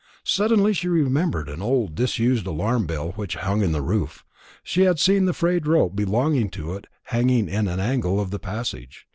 Suddenly she remembered an old disused alarm bell which hung in the roof. She had seen the frayed rope belonging to it hanging in an angle of the passage.